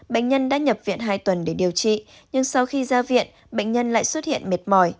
bệnh nhân đã nhập viện hai tuần để điều trị nhưng sau khi ra viện bệnh nhân lại xuất hiện mệt mỏi